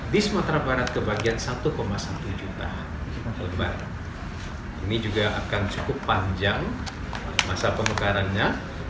di sumatera barat kebagian satu satu juta lembar ini juga akan cukup panjang masa pengekarannya